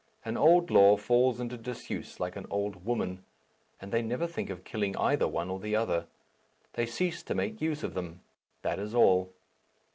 An old law falls into disuse like an old woman, and they never think of killing either one or the other. They cease to make use of them; that is all.